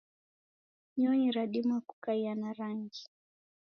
nyonyi radima kukaia na rangi.